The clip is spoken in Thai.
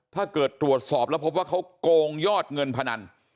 ตรวจสอบแล้วพบว่าเขาโกงยอดเงินพนัน